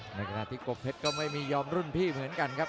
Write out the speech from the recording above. ในขณะที่กบเพชรก็ไม่มียอมรุ่นพี่เหมือนกันครับ